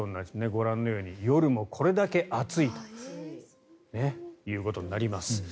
ご覧のように夜もこれだけ暑いということになります。